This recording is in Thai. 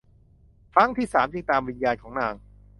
ครั้งที่สามจึงตามวิญญาณของนาง